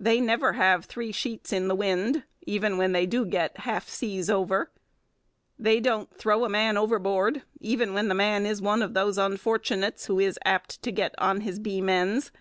They never have 'three sheets in the wind,' even when they do get 'half seas over.' They don't 'throw a man overboard,' even when the man is one of those unfortunates who is apt to get 'on his beam ends.'